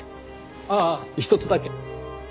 ああひとつだけ。